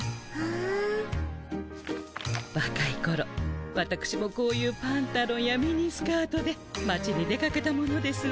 わかいころわたくしもこういうパンタロンやミニスカートで町に出かけたものですわ。